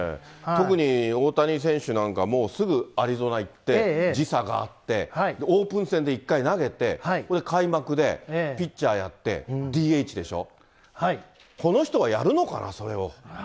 特に大谷選手なんか、もうすぐアリゾナ行って、時差があって、オープン戦で１回投げて、それで開幕でピッチャーやって、ＤＨでしょ。